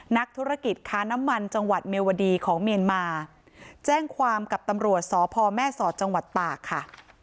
นักธุรกิจค้าน้ำมันจังหวัดเมวดีของเมียนมาแจ้งความกับตำรวจสพแม่สอดจังหวัดตากค่ะ